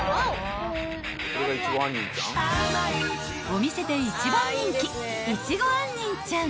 ［お店で一番人気］